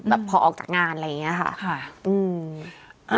พอออกจากงานอะไรอย่างนี้ค่ะ